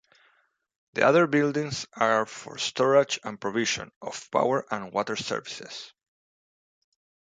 The other buildings are for storage and provision of power and water services.